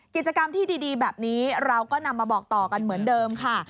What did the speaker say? กิจกรรมที่ดีแบบนี้เราก็นำมาบอกต่อกันเหมือนเดิมค่ะ